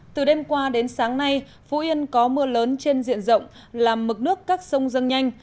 từ đêm qua đến sáng nay phú yên có mưa lớn trên diện rộng làm mực nước các sông dâng nhanh